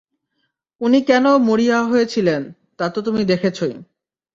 উনি কেমন মরিয়া হয়ে ছিলেন, তা তো তুমি দেখেছই।